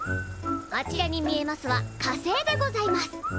あちらに見えますは火星でございます。